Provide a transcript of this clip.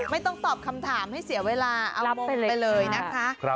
ไม่ต้องตอบคำถามให้เสียเวลาเอามงไปเลยนะคะ